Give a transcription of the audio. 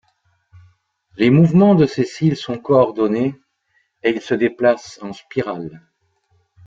Les mouvements de ses cils sont coordonnés et il se déplace en spirale.